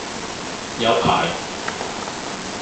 有排